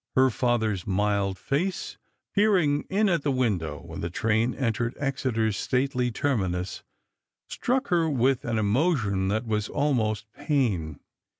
Her father's mild face peering in at the window, when the train entered Exeter's stately terminus, struck her with an emotion that was almost pain.